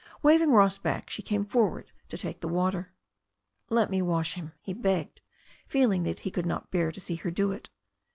Waving Ross back, she came forward to take the water. "Let me wash him/' he begged, feeling that he could not bear to see her do it.